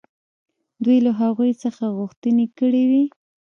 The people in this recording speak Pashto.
دوی له هغوی څخه غوښتنې کړې وې.